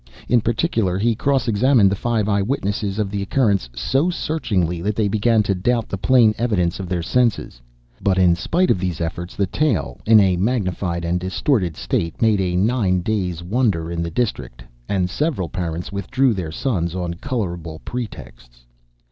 In particular, he cross examined the five eye witnesses of the occurrence so searchingly that they began to doubt the plain evidence of their senses. But, in spite of these efforts, the tale, in a magnified and distorted state, made a nine days' wonder in the district, and several parents withdrew their sons on colourable pretexts.